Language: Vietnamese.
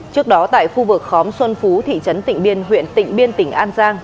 trước đó tại khu vực khóm xuân phú thị trấn tỉnh biên huyện tỉnh biên tỉnh an giang